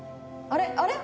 あら！あれ？